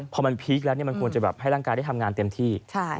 พอมันพีคแล้วมันควรจะแบบให้ร่างกายได้ทำงานเต็มที่